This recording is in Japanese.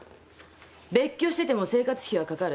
別居してても生活費はかかる。